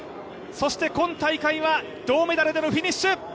そして今大会は銅メダルでのフィニッシュ！